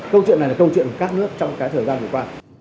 câu chuyện này là câu chuyện của các nước trong cái thời gian vừa qua